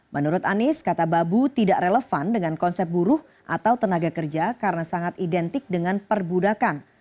menurut anies kata babu tidak relevan dengan konsep buruh atau tenaga kerja karena sangat identik dengan perbudakan